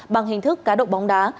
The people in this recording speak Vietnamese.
bằng hình thức cá độ bóng đá